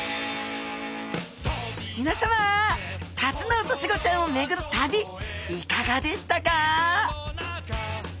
みなさまタツノオトシゴちゃんをめぐる旅いかがでしたか？